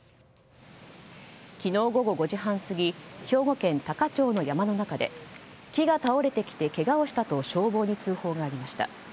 昨日午後５時半過ぎ兵庫県多可町の山の中で木が倒れてきてけがをしたと消防に通報がありました。